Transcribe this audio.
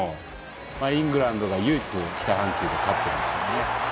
イングランドが唯一北半球で勝っていますね。